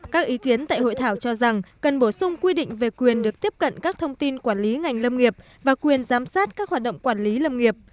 các ý kiến tại hội thảo cho rằng cần bổ sung quy định về quyền được tiếp cận các thông tin quản lý ngành lâm nghiệp và quyền giám sát các hoạt động quản lý lâm nghiệp